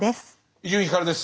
伊集院光です。